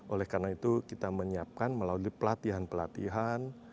oleh karena itu kita menyiapkan melalui pelatihan pelatihan